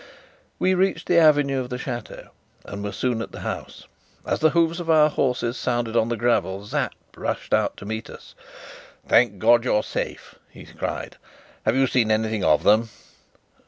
We reached the avenue of the chateau, and were soon at the house. As the hoofs of our horses sounded on the gravel, Sapt rushed out to meet us. "Thank God, you're safe!" he cried. "Have you seen anything of them?"